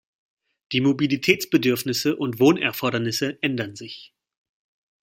Die Mobilitätsbedürfnisse und Wohnerfordernisse ändern sich.